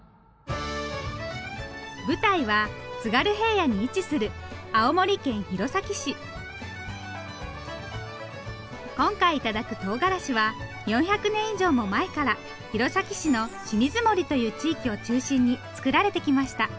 舞台は津軽平野に位置する今回頂くとうがらしは４００年以上も前から弘前市の清水森という地域を中心に作られてきました。